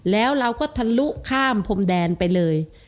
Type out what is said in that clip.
แล้วเราก็ทะลุข้ามพรมแดนไปเลย